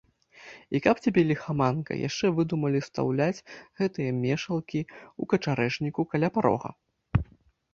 І каб цябе ліхаманка, яшчэ выдумалі стаўляць гэтыя мешалкі ў качарэжніку, каля парога.